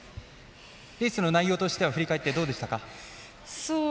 レースの内容としては振り返って、どうでしたか？